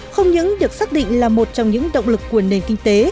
không những được xác định là một trong những động lực của nền kinh tế